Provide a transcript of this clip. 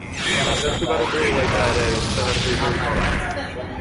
Baztertu behar ditugu, baita ere, bizitzan hartu ditugun rolak.